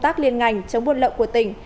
tác liên ngành chống buôn lậu của tỉnh